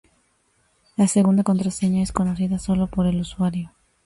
La segunda contraseña es conocida sólo por el usuario.